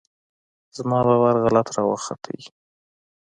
زما باور غلط راوخوت.